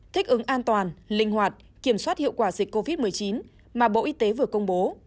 thích ứng an toàn linh hoạt kiểm soát hiệu quả dịch covid một mươi chín mà bộ y tế vừa công bố